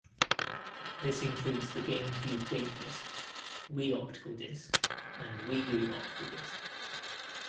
This includes the GameCube Game Disc, Wii Optical Disc, and Wii U Optical Disc.